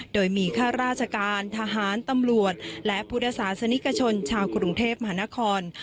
โดยมีข้าราชการทหารตำรวจและพุทธศาสนิกชนชาวกรุงเทพมหานคร